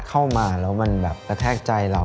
เข้ามาแล้วมันแบบกระแทกใจเรา